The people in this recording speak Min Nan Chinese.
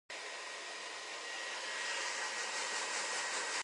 行船，拄著對頭風